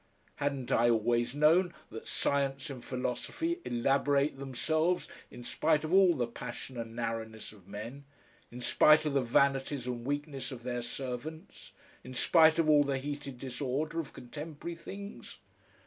Hadn't I always known that science and philosophy elaborate themselves in spite of all the passion and narrowness of men, in spite of the vanities and weakness of their servants, in spite of all the heated disorder of contemporary things?